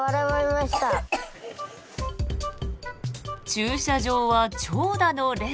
駐車場は長蛇の列。